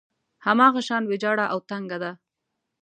هماغه شان ويجاړه او تنګه ده.